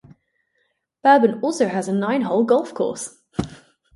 Bhurban also has a nine-hole golf course.